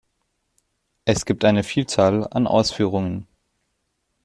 Es gibt eine Vielzahl an Ausführungen.